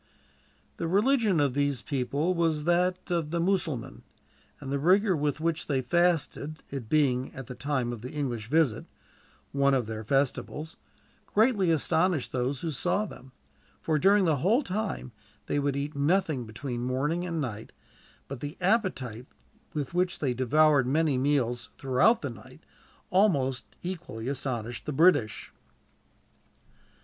The religion of these people was that of the Mussulmans, and the rigor with which they fasted it being, at the time of the English visit, one of their festivals greatly astonished those who saw them; for, during the whole time, they would eat nothing between morning and night; but the appetite with which they devoured many meals, throughout the night, almost equally astonished the British.